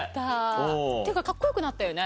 っていうかカッコよくなったよね。